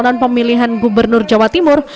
non pemilihan gubernur jawa timur